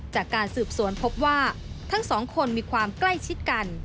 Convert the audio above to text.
จากการสืบสวนพบว่าทั้งสองคนมีความใกล้ชิดกัน